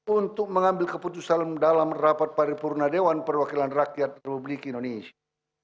untuk mengambil keputusan dalam rapat paripurna dewan perwakilan rakyat republik indonesia